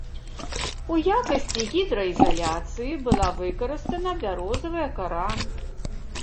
У якасці гідраізаляцыі была выкарыстана бярозавая кара.